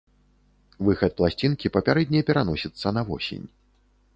Выхад пласцінкі папярэдне пераносіцца на восень.